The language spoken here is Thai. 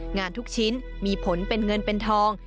งานทุกชิ้นมีผลเป็นเงินเป็นทอง